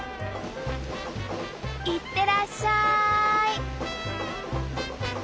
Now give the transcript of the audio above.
いってらっしゃい。